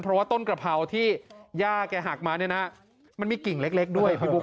เพราะว่าต้นกระเพราที่ย่าแกหักมาเนี่ยนะมันมีกิ่งเล็กด้วยพี่บุ๊